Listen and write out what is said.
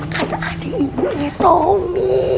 kan ada ibu nih tommy